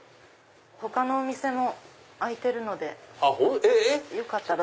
他のお店も開いてるのでよかったらどうぞ。